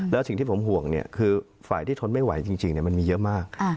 แล้วสิ่งที่ผมห่วงคือฝ่ายที่ทนไม่ไหวจริงมันมีเยอะมาก